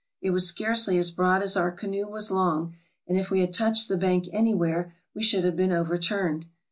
It was scarcely as broad as our canoe was long, and if we had touched the bank anywhere we should have been overturned.